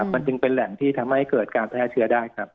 มันจึงเป็นแหล่งที่ทำให้เกิดการแพร่เชื้อได้ครับ